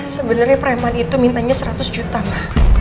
sebenernya preman itu mintanya seratus juta ma